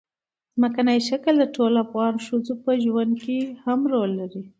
ځمکنی شکل د ټولو افغان ښځو په ژوند کې هم رول لري.